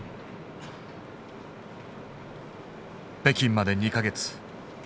北京まで２か月。